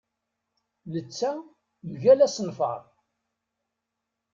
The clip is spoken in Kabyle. Netta mgal asenfar.